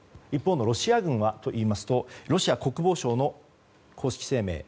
一方のロシア軍はといいますとロシア国防省の公式声明。